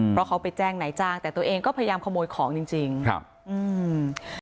เพราะเขาไปแจ้งนายจ้างแต่ตัวเองก็พยายามขโมยของจริงจริงครับอืม